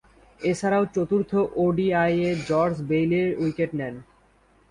এছাড়াও চতুর্থ ওডিআইয়ে George বেইলি’র wicket নেন।